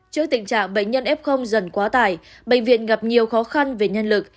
trước tình trạng bệnh nhân f dần quá tải bệnh viện gặp nhiều khó khăn về nhân lực